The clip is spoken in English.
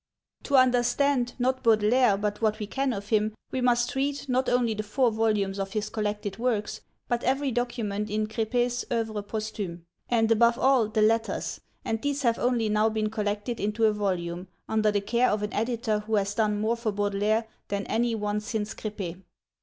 To understand, not Baudelaire, but what we can of him, we must read, not only the four volumes of his collected works, but every document in Crépet's Oeuvres Posthumes, and, above all, the letters, and these have only now been collected into a volume, under the care of an editor who has done more for Baudelaire than any one since Crépet.